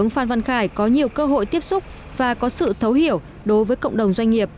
phan văn khải có nhiều cơ hội tiếp xúc và có sự thấu hiểu đối với cộng đồng doanh nghiệp